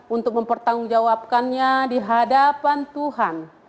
untuk mempertanggungjawabkannya di hadapan tuhan